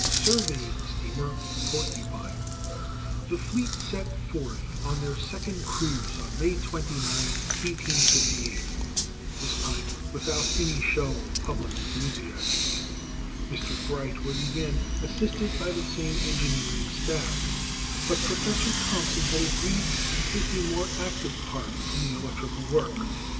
surveying steamer Porcupine. The fleet set forth on their second cruise on May 29, 1858 this time without any show of public enthusiasm. Mr. Bright was again assisted by the same engineering staff, but Professor Thomson had agreed to take a more active part in the electrical work.